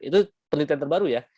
itu penelitian terbaru ya